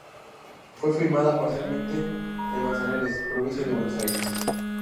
Fue filmada parcialmente en Manzanares, provincia de Buenos Aires.